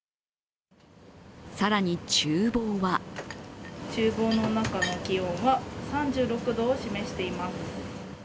更に、ちゅう房はちゅう房の中の気温は３６度を示しています。